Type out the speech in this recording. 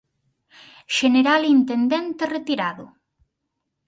Xeneral intendente retirado.